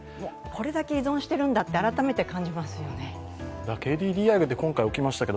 これだけ依存しているんだと改めて感じましたね。